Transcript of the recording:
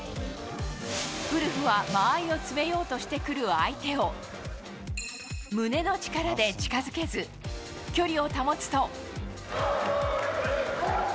ウルフは、間合いを詰めようとしてくる相手を胸の力で近づけず距離を保つと。